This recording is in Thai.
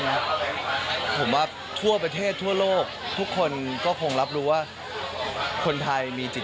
ครับผมว่าทั่วประเทศทั่วโลกทุกคนก็คงรับรู้ว่าคนไทยมีจิต